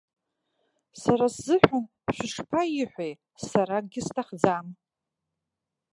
Сара сзыҳәан шәышԥаиҳәеи, сара акгьы сҭахӡам.